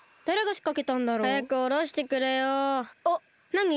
なに？